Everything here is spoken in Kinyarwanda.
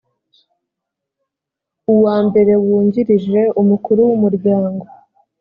uwa mbere wungirije umukuru w umuryango